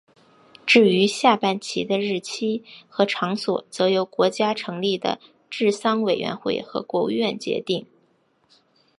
至于下半旗的日期和场所则由国家成立的治丧委员会或国务院决定。